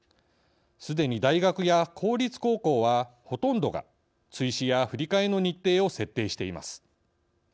すでに、大学や公立高校はほとんどが追試や振替の日程を設定しています。